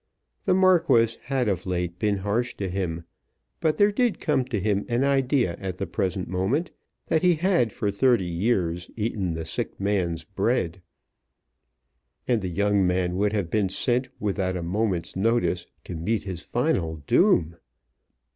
The Marquis had of late been harsh to him; but there did come to him an idea at the present moment that he had for thirty years eaten the sick man's bread. And the young man would have been sent without a moment's notice to meet his final doom!